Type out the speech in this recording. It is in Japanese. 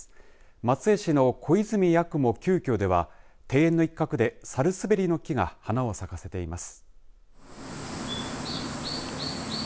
松江市の小泉八雲旧居では庭園の一角でサルスベリの木が花を咲かせています。